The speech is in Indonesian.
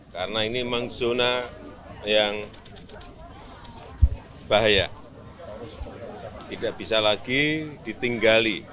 karena ini memang zona yang bahaya tidak bisa lagi ditinggali